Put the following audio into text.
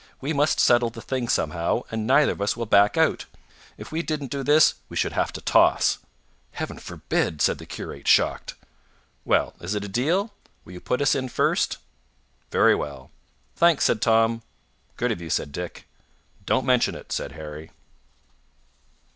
"We must settle the thing somehow, and neither of us will back out. If we didn't do this we should have to toss." "Heaven forbid!" said the curate, shocked. "Well, is it a deal? Will you put us in first?" "Very well." "Thanks," said Tom. "Good of you," said Dick. "Don't mention it," said Harry.